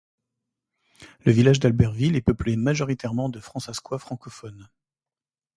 Le village d'Albertville est peuplé majoritairement de Fransaskois francophones.